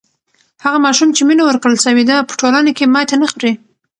هغه ماشوم چې مینه ورکړل سوې ده په ټولنه کې ماتی نه خوری.